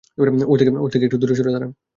ওর থেকে একটু দূরে সরে দাঁড়ান!